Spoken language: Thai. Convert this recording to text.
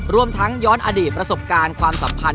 รวมทั้งย้อนอดีตประสบการณ์ความสัมพันธ